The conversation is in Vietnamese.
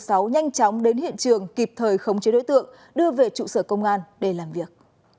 công an phường sáu đến hiện trường kịp thời khống chế đối tượng đưa về trụ sở công an để làm việc